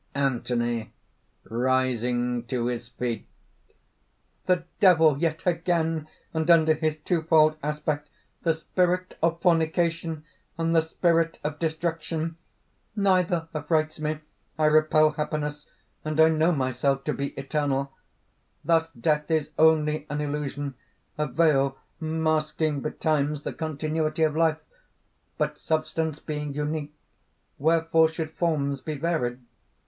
_) ANTHONY (rising to his feet): "The Devil yet again, and under his two fold aspect: the spirit of fornication, and the spirit of destruction. "Neither affrights me! I repel happiness; and I know myself to be eternal. "Thus death is only an illusion, a veil masking betimes the continuity of life. "But Substance being unique, wherefore should forms be varied?